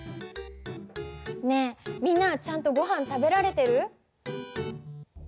ねえみんなはちゃんとごはん食べられてる？